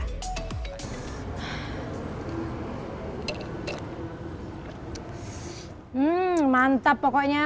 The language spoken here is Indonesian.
hmmmm mantap pokoknya